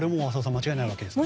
間違いないわけですね。